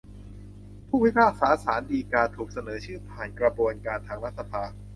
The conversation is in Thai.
ผู้พิพากษาศาลฎีกาถูกเสนอชื่อผ่านกระบวนการทางรัฐสภา